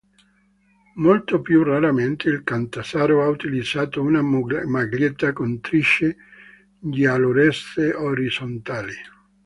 Molto più raramente il Catanzaro ha utilizzato una maglietta con strisce giallorosse orizzontali.